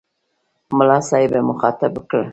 ملا صاحب یې مخاطب کړ.